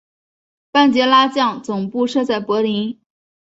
班杰拉将总部设在柏林。